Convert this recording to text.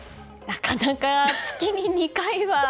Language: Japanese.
なかなか月に２回は。